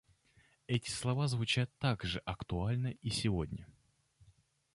Эти слова звучат так же актуально и сегодня.